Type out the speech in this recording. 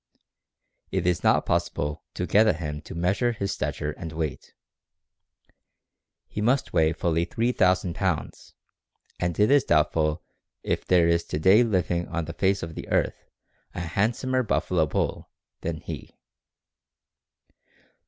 It is not possible to get at him to measure his stature and weight. He must weigh fully 3,000 pounds, and it is doubtful if there is to day living on the face of the earth a handsomer buffalo bull than he.